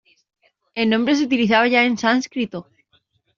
El nombre se utilizaba ya en sánscrito.